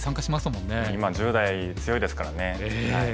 もう今１０代強いですからね。